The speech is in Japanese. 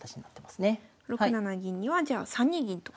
６七銀にはじゃあ３二銀と。